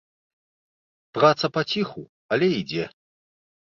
Праца паціху але ідзе.